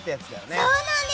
そうなんです！